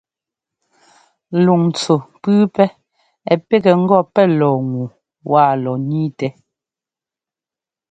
Luŋntsu pʉ́ʉpɛ́ ɛ́ pigɛ ŋgɔ pɛ́ lɔɔ ŋu wa lɔ ńniitɛ.